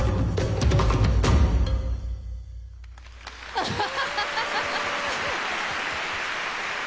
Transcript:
アハハハッ！